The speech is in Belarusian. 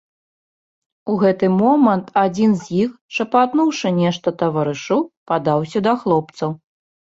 У гэты момант адзін з іх, шапатнуўшы нешта таварышу, падаўся да хлопцаў.